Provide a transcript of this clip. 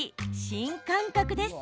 新感覚です。